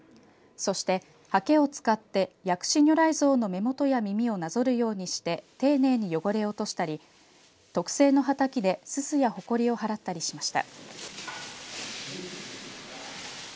そして、はけを使って薬師如来像の目元や耳をなぞるようにして丁寧に汚れを落としたり特製のはたきですすやほこりを払ったりしました。